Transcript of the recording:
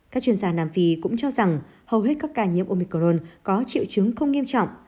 các chuyên gia nam phi cũng cho rằng hầu hết các ca nhiễm omicrone có triệu chứng không nghiêm trọng